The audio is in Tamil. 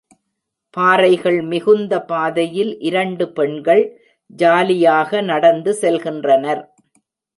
பாறைகள் மிகுந்த பாதையில் இரண்டு பெண்கள் ஜாலியாக நடந்து செல்கின்றனர்.